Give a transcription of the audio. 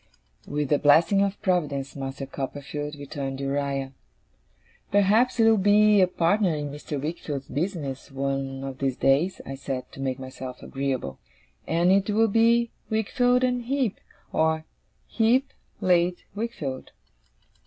'With the blessing of Providence, Master Copperfield,' returned Uriah. 'Perhaps you'll be a partner in Mr. Wickfield's business, one of these days,' I said, to make myself agreeable; 'and it will be Wickfield and Heep, or Heep late Wickfield.